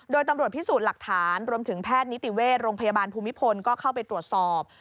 โดยตำรวจพิสูจน์หลักฐานรวมถึงแพทย์นิติเวชโรงพยาบาลภูมิพลก็เข้าไปตรวจสอบ